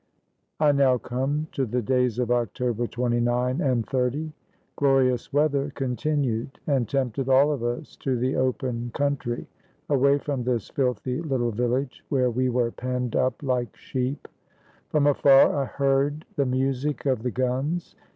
] I NOW come to the days of October 29 and 30. Glorious weather continued, and tempted all of us to the open country, away from this filthy little village, where we were penned up like sheep. From afar I heard the music of the guns.